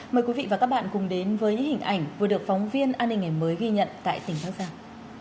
mời quý vị và các bạn cùng đến với những hình ảnh vừa được phóng viên an ninh ngày mới ghi nhận tại tỉnh bắc giang